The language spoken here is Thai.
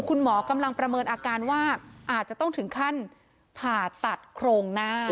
คุณหมอกำลังประเมินอาการว่าอาจจะต้องถึงขั้นผ่าตัดโครงหน้า